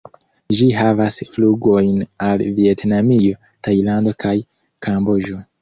Ĝi havas flugojn al Vjetnamio, Tajlando kaj Kamboĝo.